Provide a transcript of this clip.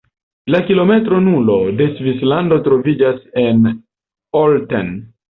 La “kilometro nulo” de Svislando troviĝas en Olten.